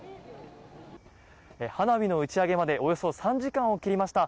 花火の打ち上げまでおよそ３時間を切りました。